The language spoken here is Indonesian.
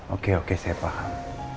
oke oke saya paham